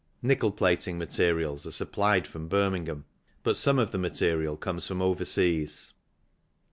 Nickel plating materials are supplied from Birmingham but some of the material comes from overseas.